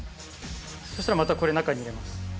そしたらまた中に入れます。